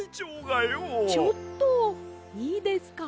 ちょっといいですか？